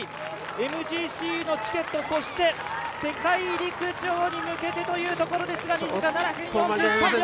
ＭＧＣのチケット、そして世界陸上に向けてというところですが２時間７分４３秒。